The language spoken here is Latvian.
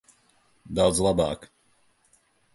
Daudz labāk.